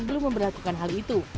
belum memperlakukan hal itu